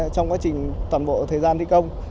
trong quá trình toàn bộ thời gian thi công